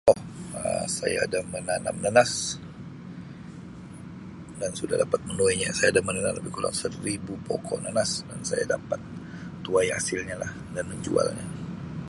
Um Saya ada menanam nenas dan sudah dapat memenuhinya. Saya ada menanam lebih kurang seribu pokok nenas dan saya dapat tuai hasilnya lah dan menjualnya.